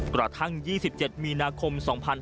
กระทั่ง๒๗มีนาคม๒๕๕๙